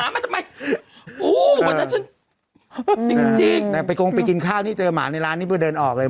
มดไปกรงไปกินข้าวนี้เจอหมาในร้านนี้เพื่อเดินออกเลย